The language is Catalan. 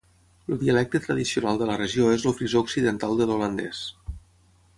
El dialecte tradicional de la regió és el frisó occidental del holandès.